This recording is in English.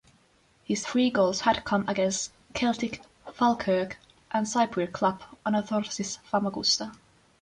His three goals had come against Celtic, Falkirk and Cypriot club Anorthosis Famagusta.